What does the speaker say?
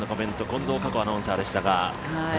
近藤夏子アナウンサーでしたが。